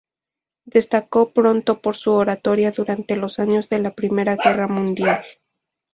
Destacó pronto por su oratoria durante los años de la Primera Guerra Mundial.